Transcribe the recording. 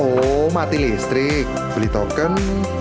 oh mati listrik beli token